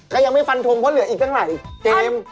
ก็ยังไม่ฟันทงเพราะเหลืออีกตั้งหลายเกม